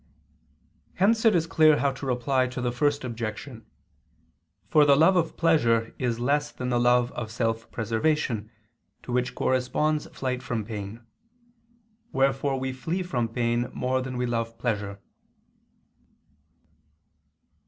Hence it is clear how to reply to the First Objection. For the love of pleasure is less than the love of self preservation, to which corresponds flight from pain. Wherefore we flee from pain more than we love pleasure.